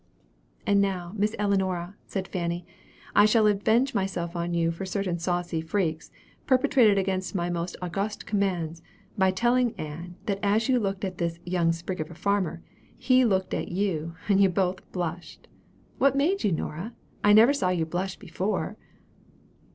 "And now, Miss Ellinora," said Fanny, "I shall avenge myself on you, for certain saucy freaks, perpetrated against my most august commands, by telling Ann, that as you looked at this 'young sprig of a farmer,' he looked at you, and you both blushed. What made you, Nora? I never saw you blush before."